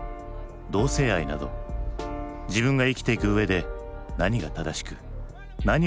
同性愛など自分が生きていくうえで何が正しく何を善良なことと考えるか。